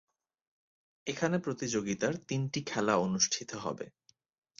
এখানে প্রতিযোগিতার তিনটি খেলা অনুষ্ঠিত হবে।